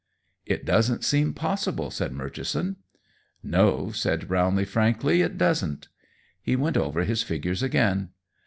"It doesn't seem possible," said Murchison. "No," said Brownlee frankly, "it doesn't." He went over his figures again.